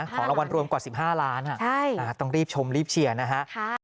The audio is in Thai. ของรางวัลรวมกว่า๑๕ล้านต้องรีบชมรีบเชียร์นะฮะ